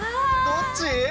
どっち？